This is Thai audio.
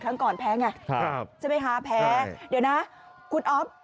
ครั้งก่อนแพ้ไงครับใช่ไหมคะแพ้เดี๋ยวนะคุณอ๊อฟ